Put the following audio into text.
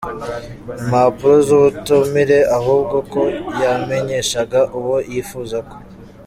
impapuro z’ubutumire ahubwo ko yamenyeshaga uwo yifuza ko